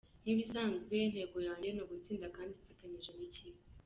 Nk’ibisanzwe intego yanjye ni ugutsinda kandi mfatanyije n’ikipe.